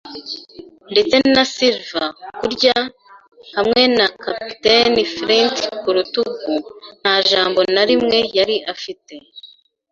Ndetse na silver, kurya, hamwe na Kapiteni Flint ku rutugu, nta jambo na rimwe yari afite